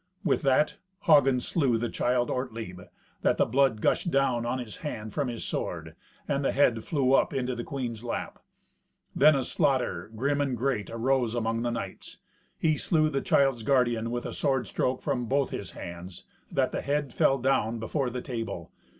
With that, Hagen slew the child Ortlieb, that the blood gushed down on his hand from his sword, and the head flew up into the queen's lap. Then a slaughter grim and great arose among the knights. He slew the child's guardian with a sword stroke from both his hands, that the head fell down before the table.